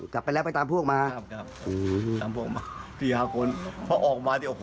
ใช่พี่